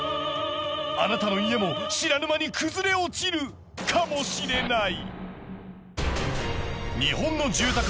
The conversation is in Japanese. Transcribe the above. あなたの家も知らぬ間に崩れ落ちるかもしれない。